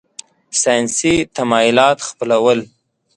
ساینسي تمایلات خپلول.